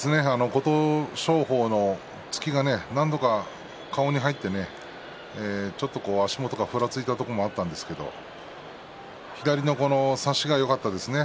琴勝峰の突きが何度か顔に入ってちょっと足元がふらついたところもあったんですけど左の差しがよかったですね。